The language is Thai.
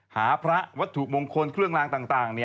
หาพระวัตถุมงคลเครื่องลางต่าง